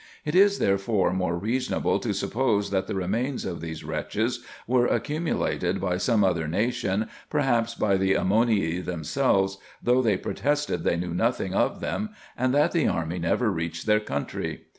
It is, therefore, more reasonable to suppose that the remains of these wretches were accumulated by some other nation, perhaps by the Ammonii themselves, though they protested they knew nothing of them, and that the army never reached their country.